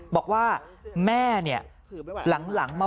บอกว่าแม่เนี่ยหลังมาประการพันเนี่ย